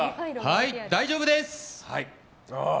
はい、大丈夫です！